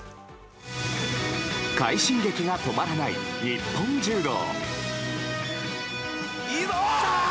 快進撃が止まらない日本柔道。